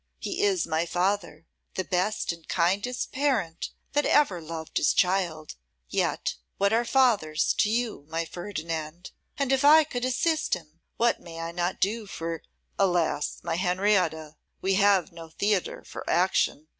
He is my father, the best and kindest parent that ever loved his child; yet, what are fathers to you, my Ferdinand? and, if I could assist him, what may I not do for ' 'Alas! my Henrietta, we have no theatre for action.